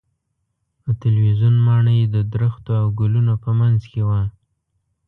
د تلویزیون ماڼۍ د درختو او ګلونو په منځ کې وه.